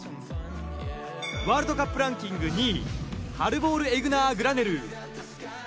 ワールドカップランキング２位、ハルボール・エグナー・グラネルー。